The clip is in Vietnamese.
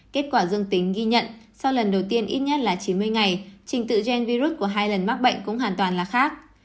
kết quả dương tính ghi nhận sau lần đầu tiên ít nhất là chín mươi ngày trình tự gen virus của hai lần mắc bệnh cũng hoàn toàn là khác